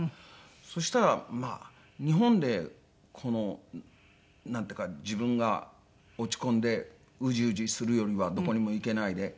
そしたらまあ日本でこのなんていうか自分が落ち込んでうじうじするよりはどこにも行けないで。